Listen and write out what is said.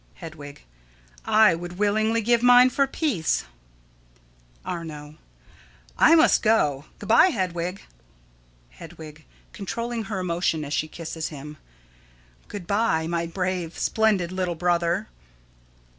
Hedwig: I would willingly give mine for peace. Arno: I must go. Good by, Hedwig. Hedwig: [Controlling her emotion as she kisses him.] Good by, my brave, splendid little brother.